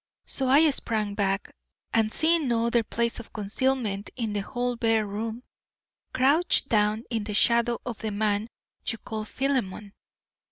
So I sprang back, and seeing no other place of concealment in the whole bare room, crouched down in the shadow of the man you call Philemon.